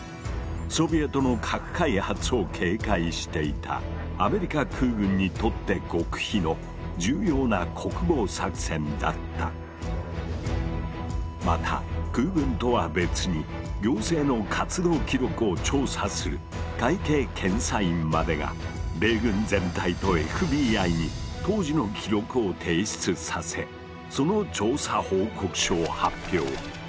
ソビエトの核開発を警戒していたアメリカ空軍にとって極秘のまた空軍とは別に行政の活動記録を調査する会計検査院までが米軍全体とＦＢＩに当時の記録を提出させその調査報告書を発表。